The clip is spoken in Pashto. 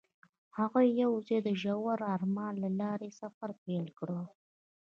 هغوی یوځای د ژور آرمان له لارې سفر پیل کړ.